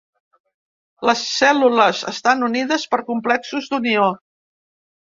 Les cèl·lules estan unides per complexos d'unió.